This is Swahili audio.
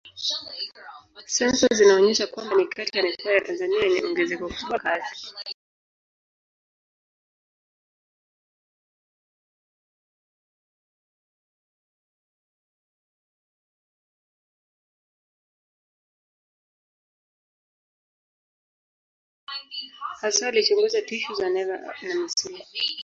Hasa alichunguza tishu za neva na misuli.